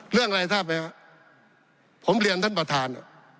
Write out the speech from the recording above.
เรื่องอะไรทราบไหมครับผมเรียนท่านประธาน